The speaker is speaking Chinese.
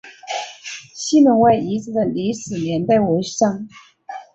西门外遗址的历史年代为商。